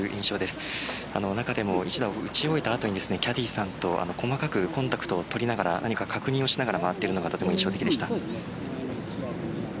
中でも一打を打ち終えた後にキャディーさんと細かくコンタクトを取りながら何か確認をしながら回っているのがとても印象的でした。